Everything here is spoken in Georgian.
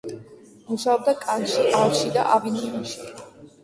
მუშაობდა კანში, არლში და ავინიონში.